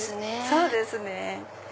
そうですね。